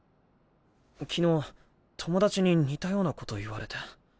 昨日友達に似たようなこと言われて。